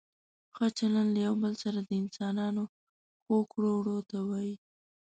ښه چلند له یو بل سره د انسانانو ښو کړو وړو ته وايي.